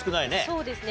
そうですね。